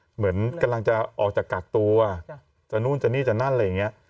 เหมือนกำลังจะออกจากกักตัวจะนู่นจะนี่จะนั่นอะไรอย่างนี้